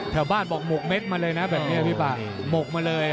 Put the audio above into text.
ชาวบ้านบอกหมกเม็ดมาเลยนะแบบนี้พี่ป่าหมกมาเลย